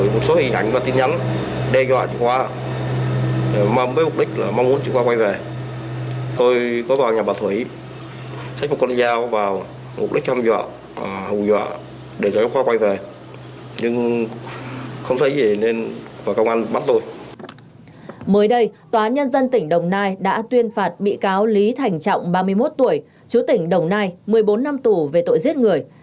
mới đây tòa án nhân dân tỉnh đồng nai đã tuyên phạt bị cáo lý thành trọng ba mươi một tuổi chú tỉnh đồng nai một mươi bốn năm tù về tội giết người